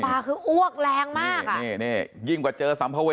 อ้าวพี่นั่นมันกินได้จริงอ่าครับ